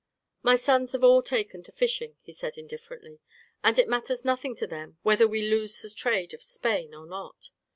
"My sons have all taken to fishing," he said indifferently, "and it matters nothing to them whether we lose the trade of Spain or not."